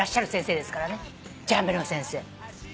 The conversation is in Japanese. ジャンベの先生。